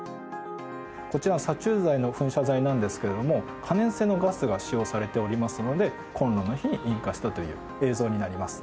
こちら殺虫剤の噴射剤なんですけれども可燃性のガスが使用されておりますのでコンロの火に引火したという映像になります。